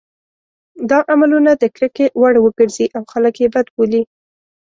دا عملونه د کرکې وړ وګرځي او خلک یې بد بولي.